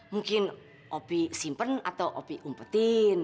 mungkin opi simpen atau opi umpetin